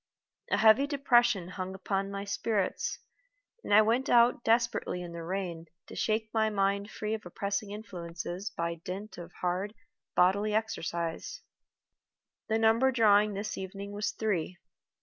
A heavy depression hung upon my spirits, and I went out desperately in the rain to shake my mind free of oppressing influences by dint of hard bodily exercise. The number drawn this evening was Three.